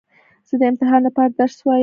زه د امتحان له پاره درس وایم.